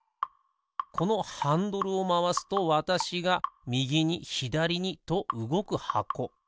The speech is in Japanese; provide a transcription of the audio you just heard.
このハンドルをまわすとわたしがみぎにひだりにとうごくはこ。